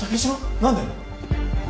何で。